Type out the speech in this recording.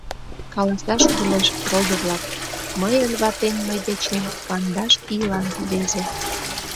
Каласаш кӱлеш, родо-влак: мыйын ватем мый дечем кандаш ийлан рвезе.